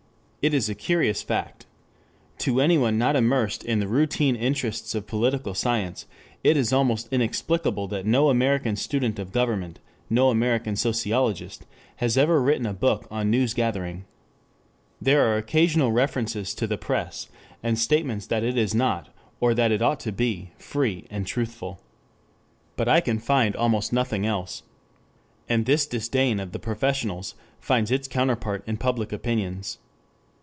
It is a curious fact. To anyone not immersed in the routine interests of political science, it is almost inexplicable that no American student of government, no American sociologist, has ever written a book on news gathering. There are occasional references to the press, and statements that it is not, or that it ought to be, "free" and "truthful." But I can find almost nothing else. And this disdain of the professionals finds its counterpart in public opinions.